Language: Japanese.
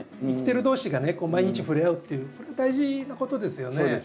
生きてる同士がねこう毎日触れ合うっていうの大事なことですよね。